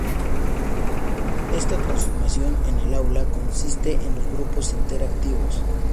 Esta transformación en el aula consiste en los grupos interactivos.